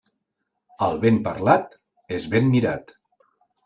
El ben parlat, és ben mirat.